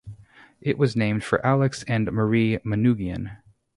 It was named for Alex and Marie Manoogian.